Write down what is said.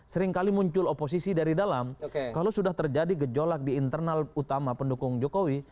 seringkali muncul oposisi dari dalam kalau sudah terjadi gejolak di internal utama pendukung jokowi